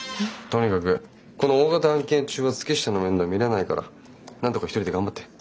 とにかくこの大型案件中は月下の面倒見れないからなんとか一人で頑張って。